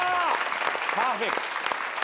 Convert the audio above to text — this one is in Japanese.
パーフェクト。